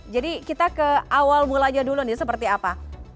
jadi kita ke awal mulanya dulu nih seperti apa